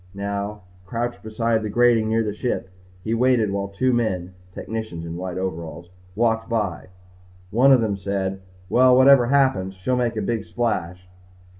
Now, crouched beside the grating near the ship, he waited while two men technicians in white overalls walked by. One of them said, "Well, whatever happens, she'll make a big splash."